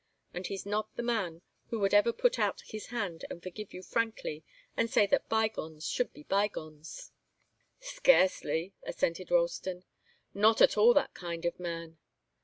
And he's not the man who would ever put out his hand and forgive you frankly and say that by gones should be by gones." "Scarcely!" assented Ralston. "Not at all that kind of man.